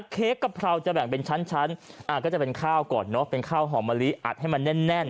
เค้กกะเพราจะแบ่งเป็นชั้นก็จะเป็นข้าวก่อนเนอะเป็นข้าวหอมมะลิอัดให้มันแน่น